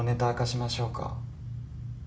明かしましょうか？